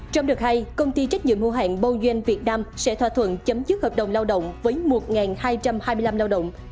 trong đợt hai công ty trách nhiệm hữu hạng boughen việt nam sẽ thỏa thuận chấm dứt hợp đồng lao động với một hai trăm hai mươi năm lao động